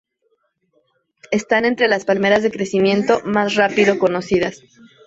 Están entre las palmeras de crecimiento más rápido conocidas.